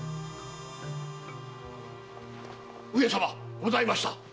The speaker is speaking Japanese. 上様ございました！